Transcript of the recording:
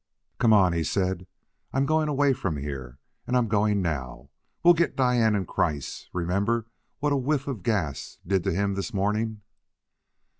"Come on!" he said! "I'm going away from here, and I'm going now. We'll get Diane and Kreiss: remember what a whiff of gas did to him this morning."